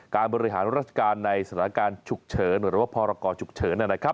บริหารราชการในสถานการณ์ฉุกเฉินหรือว่าพรกรฉุกเฉินนะครับ